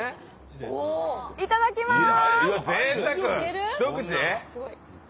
いただきます！